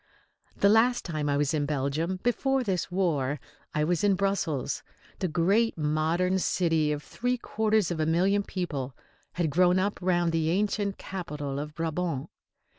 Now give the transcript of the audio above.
The last time I was in Belgium, before this war, I was in Brussels. The great modern city of three quarters of a million people had grown up round the ancient capital of Brabant.